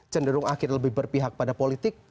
cenderung akhirnya lebih berpihak pada politik